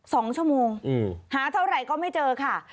สองชั่วโมงอืมหาเท่าไหร่ก็ไม่เจอค่ะ